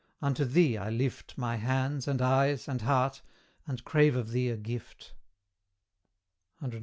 unto thee I lift My hands, and eyes, and heart, and crave of thee a gift: CXXXI.